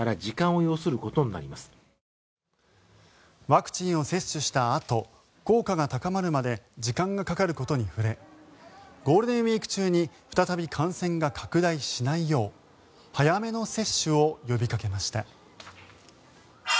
ワクチンを接種したあと効果が高まるまで時間がかかることに触れゴールデンウィーク中に再び感染が拡大しないよう早めの接種を呼びかけました。